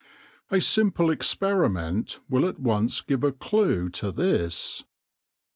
A simple experiment will at once give a clue to this.